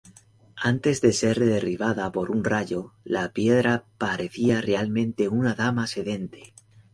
Antes de ser derribada por un rayo, la piedra parecía realmente una dama sedente.